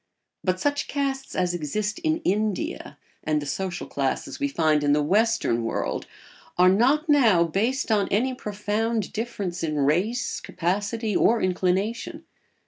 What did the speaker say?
But such castes as exist in India, and the social classes we find in the western world, are not now based on any profound difference in race, capacity, or inclination.